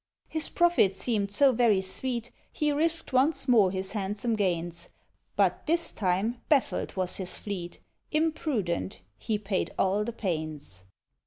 His profit seemed so very sweet, He risked once more his handsome gains; But, this time, baffled was his fleet: Imprudent, he paid all the pains.